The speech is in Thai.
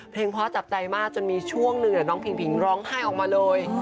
เพลงเพราะจับใจมากจนมีช่วงนึงน้องผิ่งร้องไห้ออกมาเลย